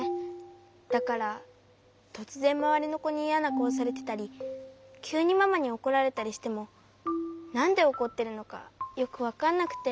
だからとつぜんまわりのこにイヤなかおされてたりきゅうにママにおこられたりしてもなんでおこってるのかよくわかんなくて。